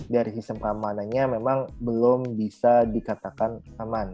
dari sistem keamanannya memang belum bisa dikatakan aman